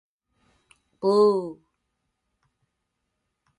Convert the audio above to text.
Oh.